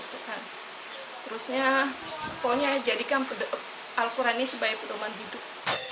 terusnya pokoknya jadikan al quran ini sebagai pedoman hidup